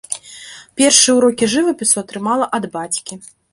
Першыя ўрокі жывапісу атрымала ад бацькі.